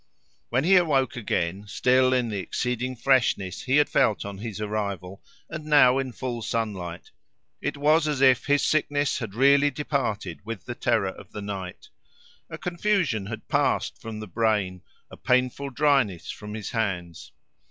When he awoke again, still in the exceeding freshness he had felt on his arrival, and now in full sunlight, it was as if his sickness had really departed with the terror of the night: a confusion had passed from the brain, a painful dryness from his hands.